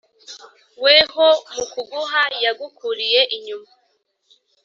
“weho mu kuguha yagukuriye inyuma,